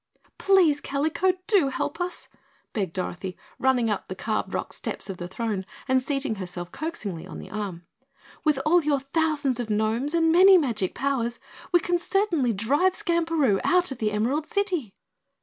"Please, Kalico, do help us," begged Dorothy, running up the carved rock steps of the throne and seating herself coaxingly on the arm. "With all your thousands of gnomes and many magic powers, we can certainly drive Skamperoo out of the Emerald City."